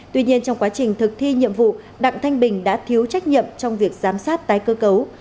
tuy nhiên trong quá trình thực thi nhiệm vụ đặng thanh bình đã thiếu trách nhiệm trong việc giám sát tái cơ cấu